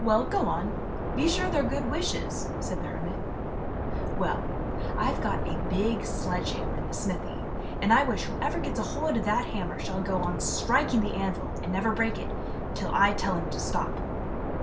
"Well, go on; be sure they're good wishes," said the hermit. "Well, I've got a big sledge hammer in the smithy, and I wish whoever gets hold of that hammer shall go on striking the anvil, and never break it, till I tell him to stop."